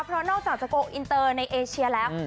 เพราะนอกจากจะโกลอินเตอร์ในเอเชียแล้ว